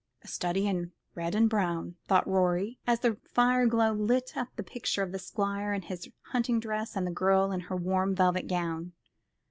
"A study in red and brown," thought Rorie, as the fire glow lit up the picture of the Squire in his hunting dress, and the girl in her warm velvet gown.